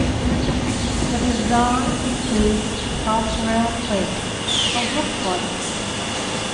The design includes Crossrail Place, a roof garden.